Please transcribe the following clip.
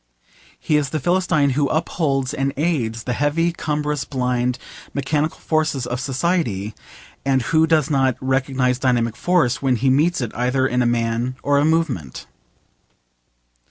He is the Philistine who upholds and aids the heavy, cumbrous, blind, mechanical forces of society, and who does not recognise dynamic force when he meets it either in a man or a movement.